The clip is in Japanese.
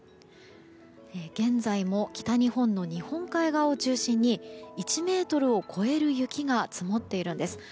現在も北日本の日本海側を中心に１ｍを超える雪が積もっているんです。